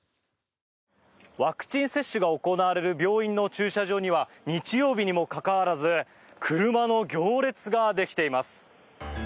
ワクチン接種が行われる病院の駐車場には日曜日にもかかわらず車の行列ができています。